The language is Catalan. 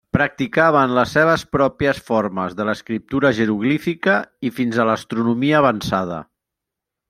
Practicaven les seves pròpies formes de l'escriptura jeroglífica i fins a l'astronomia avançada.